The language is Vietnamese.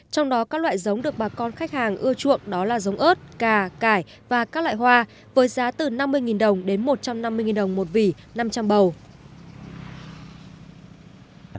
trong đó các loại giống được bà con khách hàng ưa chuộng đó là giống ớt cà cải và các loại hoa với giá từ năm mươi đồng đến một trăm năm mươi đồng một vỉ năm trăm linh bầu